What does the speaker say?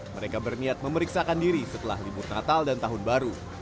mereka berniat memeriksakan diri setelah libur natal dan tahun baru